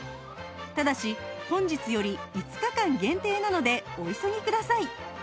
ただし本日より５日間限定なのでお急ぎください